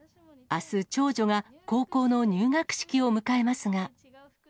あす、長女が高校の入学式を迎えますが。